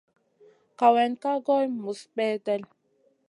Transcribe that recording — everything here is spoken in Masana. Kawayna ka goy muzi peldet.